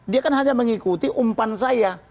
dia kan hanya mengikuti umpan saya